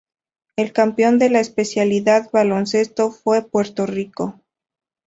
El campeón de la especialidad Baloncesto fue Puerto Rico.